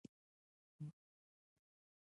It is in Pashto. دغه سياست داسې نيشه ده چې صرف وژل کوي.